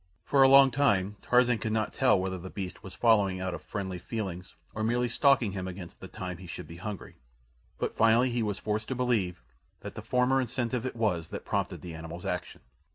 For a long time Tarzan could not tell whether the beast was following out of friendly feelings or merely stalking him against the time he should be hungry; but finally he was forced to believe that the former incentive it was that prompted the animal's action.